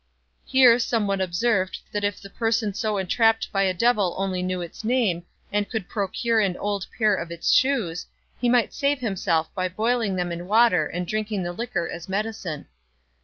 Here some one observed that if the person so entrapped by a devil only knew its name, and could procure an old pair of its shoes, he might save himself by boiling them in water and drinking the liquor as medicine.